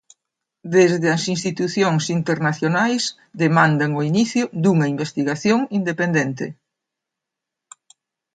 Desde as institucións internacionais demandan o inicio dunha investigación independente.